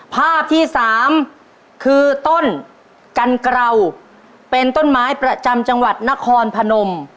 ภาพที่สามคือต้นกันเกราเป็นต้นไม้ประจำจังหวัดนครพนม